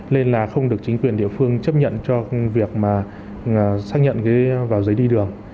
nên là không được chính quyền địa phương chấp nhận cho việc mà xác nhận cái vào giấy đi đường